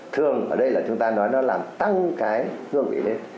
thường ở đây là chúng ta nói là nó làm tăng cái hương vị lên